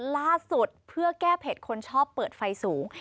ล่าสุดเพื่อแก้เพจคนชอบเปิดไฟสูง